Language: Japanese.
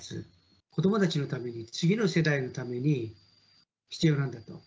子どもたちのために、次の世代のために必要なんだと。